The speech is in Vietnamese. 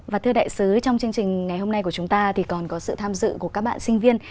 và thưa đại sứ trong chương trình ngày hôm nay của chúng ta thì còn có sự tham dự của các bạn sinh viên